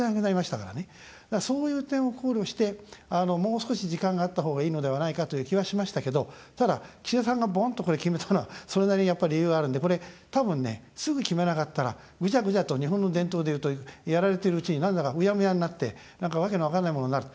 だから、そういう点を考慮してもう少し時間があったほうがいいのではないかという気はしましたけどただ岸田さんがボンッと決めたのは、それなりにやっぱ理由があるんでこれたぶん、すぐ決めなかったらグジャグジャと日本の伝統でいうとやられてるうちになんだか、うやむやになってなんか訳の分からないものになる。